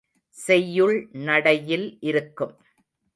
செய்யுள் நடையில் இருக்கும்.